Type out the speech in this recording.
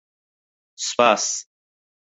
سوپاس!